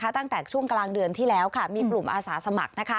ตั้งแต่ช่วงกลางเดือนที่แล้วมีกลุ่มอาสาสมัคร